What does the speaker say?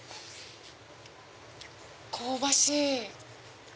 香ばしい。